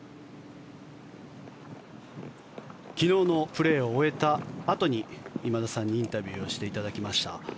昨日のプレーを終えたあとに今田さんにインタビューをしていただきました。